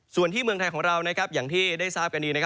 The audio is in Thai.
ส่วนที่เมืองไทยของเราอย่างที่ได้ทราบกันดี